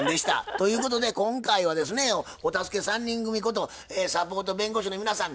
ということで今回はですねお助け３人組ことサポート弁護士の皆さんにご協力頂きました。